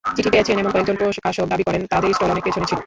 চিঠি পেয়েছেন এমন কয়েকজন প্রকাশক দাবি করেন, তাঁদের স্টল অনেক পেছনে ছিল।